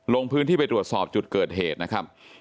ลงพื้นที่ไปตรวจสอบจุดเกิดเหตุนะครับ